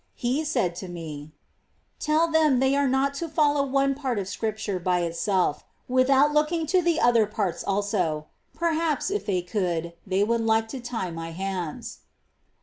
He said to me :" Tell them they are not to follow one part of Scripture by itself, without looking to the other parts also ; perhaps, if they could, they would like to tie My hands."